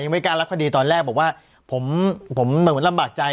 ไม่กล้ารับคดีตอนแรกบอกว่าผมเหมือนลำบากใจ